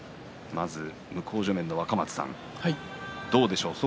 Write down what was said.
向正面の若松さん、どうでしょう。